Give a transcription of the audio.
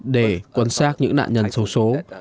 để quan sát những nạn nhân xấu xố